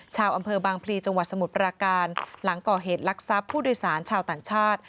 ชาวอำเภอบางพลีจังหวัดสมุทรปราการหลังก่อเหตุลักษัพผู้โดยสารชาวต่างชาติ